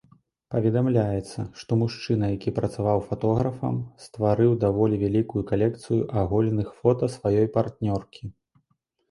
Паведамляецца, што мужчына, які працаваў фатографам, стварыў даволі вялікую калекцыю аголеных фота сваёй партнёркі.